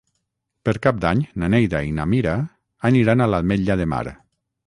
Per Cap d'Any na Neida i na Mira aniran a l'Ametlla de Mar.